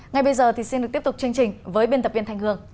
ngay bây giờ thì xin được tiếp tục chương trình với biên tập viên thanh hương